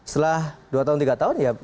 setelah dua tahun tiga tahun ya kalau perlu saat